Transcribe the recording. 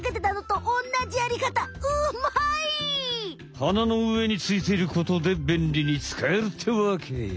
鼻の上についていることでべんりにつかえるってわけよ！